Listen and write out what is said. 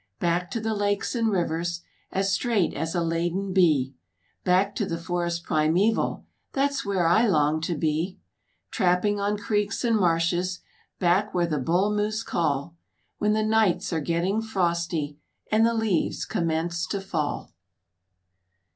Back to the lakes and rivers, As straight as a laden bee, Back to the forest primeval, That's where I long to be! Trapping on creeks and marshes, Back where the bull moose call. When the nights are getting frosty And the leaves commence to fall.